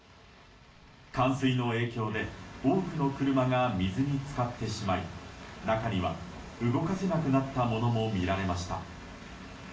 冠水の影響で多くの車が水に浸かってしまい中には動かせなくなったものも見られました。